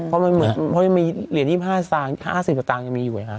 เพราะมันเหมือนมีเหรียญ๒๕สตางค์๕๐สตางค์ยังมีอยู่เลยครับ